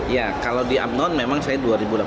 ya kalau di apnon memang saya dua ribu delapan belas